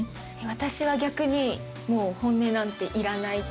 私は逆にもう本音なんていらない。